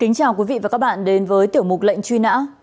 kính chào quý vị và các bạn đến với tiểu mục lệnh chuy nã